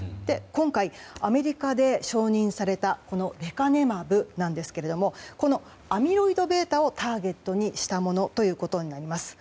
今回、アメリカで承認されたレカネマブなんですけれどもこのアミロイドβをターゲットにしたものになります。